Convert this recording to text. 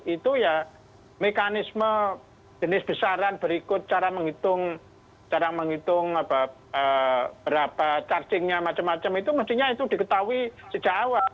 itu ya mekanisme jenis besaran berikut cara menghitung cara menghitung berapa chargingnya macam macam itu mestinya itu diketahui sejak awal